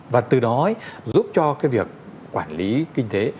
và từ đó giúp cho cái việc quản lý kinh tế